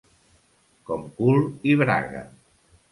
Com cul i braga.